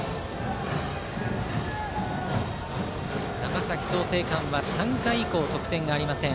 長崎・創成館は３回以降、得点がありません。